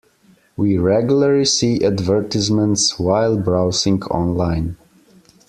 We regularly see advertisements while browsing online.